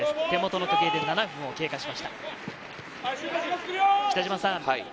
手元の時計で７分を経過しました。